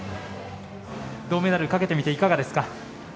銅メダルかけてみていかがですか？